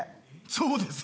そうです。